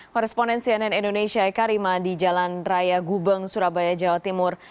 koresponen cnn indonesia eka rima di jalan raya gubeng surabaya jawa timur